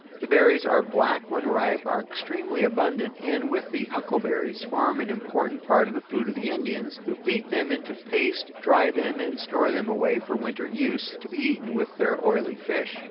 The berries are black when ripe, are extremely abundant, and, with the huckleberries, form an important part of the food of the Indians, who beat them into paste, dry them, and store them away for winter use, to be eaten with their oily fish.